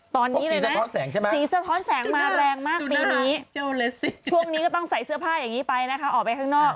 ตอนนี้เลยนะสีเสื้อท้อนแสงมาแรงมากปีนี้ช่วงนี้ก็ต้องใส่เสื้อผ้าอย่างนี้ไปนะคะออกไปข้างนอก